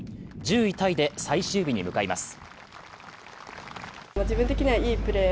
１０位タイで最終日に向かいます。